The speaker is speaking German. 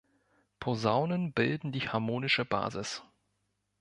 Posaunen bilden die harmonische Basis.